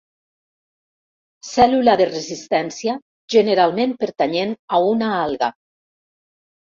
Cèl·lula de resistència, generalment pertanyent a una alga.